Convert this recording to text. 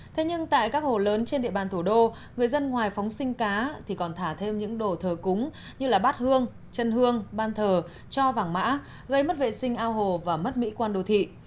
thế nhưng tại các hồ lớn trên địa bàn thủ đô người dân ngoài phóng sinh cá thì còn thả thêm những đồ thờ cúng như bát hương chân hương ban thờ cho vàng mã gây mất vệ sinh ao hồ và mất mỹ quan đô thị